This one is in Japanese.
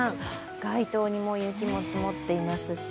外灯にも雪、積もっていますし。